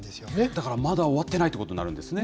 だから、まだ終わってないということになるんですね。